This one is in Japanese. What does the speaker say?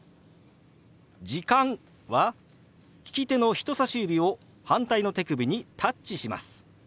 「時間」は利き手の人さし指を反対の手首にタッチします。